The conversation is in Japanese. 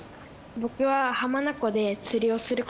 僕は。